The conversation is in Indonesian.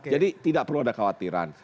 tidak perlu ada khawatiran